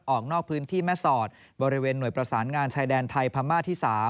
ออกนอกพื้นที่แม่สอดบริเวณหน่วยประสานงานชายแดนไทยพม่าที่๓